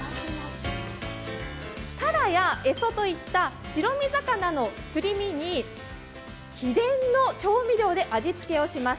たらやえそといったすり身魚に秘伝の調味料で味付けをします。